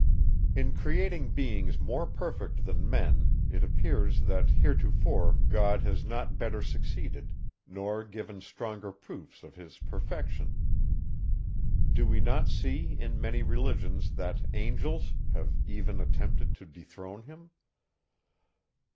In creating beings more perfect than men, it appears, that heretofore God has not better succeeded, nor given stronger proofs of his perfection. Do we not see, in many religions, that angels, have even attempted to dethrone him?